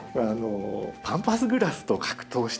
パンパスグラスと格闘していた。